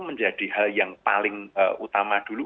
menjadi hal yang paling utama dulu